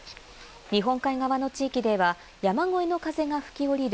日本海側の地域では山越えの風が吹きおりる